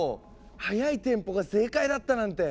速いテンポが正解だったなんて。